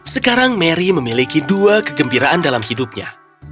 sekarang mary memiliki dua kegembiraan dalam hidupnya